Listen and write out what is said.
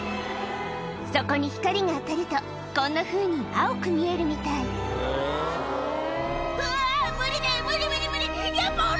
そこに光が当たるとこんなふうに青く見えるみたい「うわ無理だよ無理無理無理やっぱ降ろして！」